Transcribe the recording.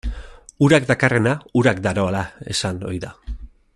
Urak dakarrena urak daroala esan ohi da.